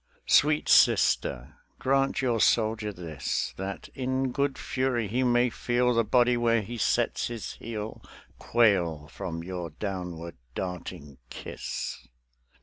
Sweet Sister, grant your soldier this; That in good fury he may feel The body where he sets his heel Quail from your downward darting kiss.